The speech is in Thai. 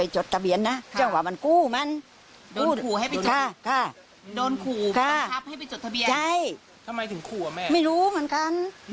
ใช่ไม่รู้เหมือนกัน